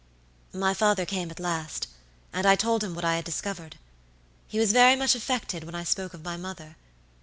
"My father came at last, and I told him what I had discovered. He was very much affected when I spoke of my mother.